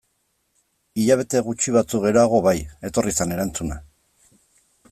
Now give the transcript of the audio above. Hilabete gutxi batzuk geroago bai, etorri zen erantzuna.